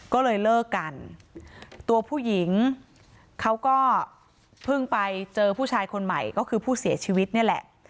ก็เลยเลิกกันตัวผู้หญิงเขาก็เพิ่งไปเจอผู้ชายคนใหม่ก็คือผู้เสียชีวิตนี่แหละ